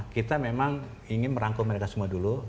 kita memang ingin merangkul mereka semua dulu